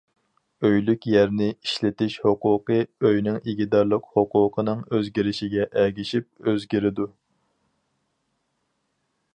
ئۆيلۈك يەرنى ئىشلىتىش ھوقۇقى- ئۆينىڭ ئىگىدارلىق ھوقۇقىنىڭ ئۆزگىرىشىگە ئەگىشىپ ئۆزگىرىدۇ.